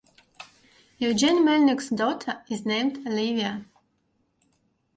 Eugene Melnyk's daughter is named Olivia.